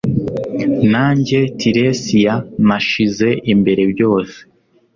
Nanjye Tiresiya nashize imbere byose